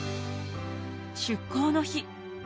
出航の日。